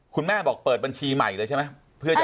คุณแม่บอกเปิดบัญชีใหม่เลยใช่ไหม